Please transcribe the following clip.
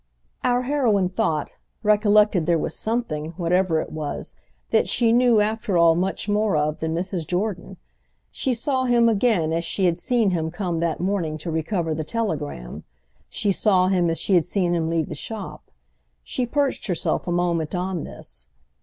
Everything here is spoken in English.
Our heroine thought, recollected there was something, whatever it was, that she knew after all much more of than Mrs. Jordan. She saw him again as she had seen him come that morning to recover the telegram—she saw him as she had seen him leave the shop. She perched herself a moment on this.